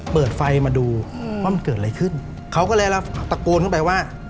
เปิดไฟมาดูว่ามันเกิดอะไรขึ้นเขาก็เลยตะโกนเข้าไปว่า